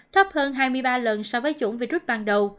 thấp hơn hai mươi ba lần so với chủng virus ban đầu